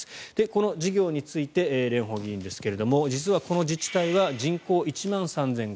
この事業について蓮舫議員ですが実はこの自治体は人口１万３５００人。